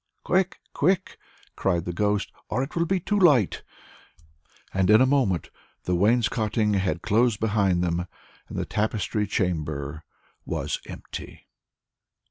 "Quick, quick," cried the ghost, "or it will be too late," and in a moment the wainscoting had closed behind them, and the Tapestry Chamber was empty.